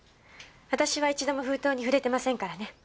私は一度も封筒に触れてませんからね。